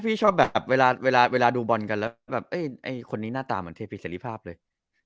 พี่ชอบแบบเวลาดูบอลกันแล้วแบบไอ้คนนี้หน้าตาเหมือนเทพีเสร็จภาพเลย